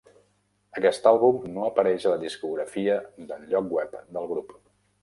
Aquest àlbum no apareix a la discografia del lloc web del grup.